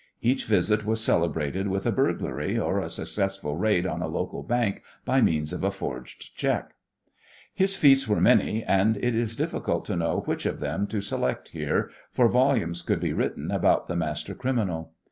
Each visit was celebrated with a burglary or a successful raid on a local bank by means of a forged cheque. His feats were many, and it is difficult to know which of them to select here, for volumes could be written about the master criminal.